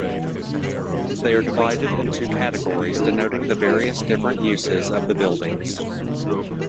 They are divided into categories denoting the various different uses of the buildings.